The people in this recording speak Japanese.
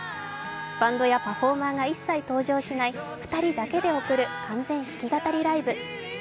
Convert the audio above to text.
バンドやパフォーマーが一切登場しない、２人だけで送る完全弾き語りライブ。